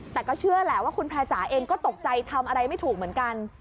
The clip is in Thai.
แต่ก็เชื่อแหละว่าคุณแพร่จ๋าเองก็ตกใจทำอะไรไม่ถูกเหมือนกัน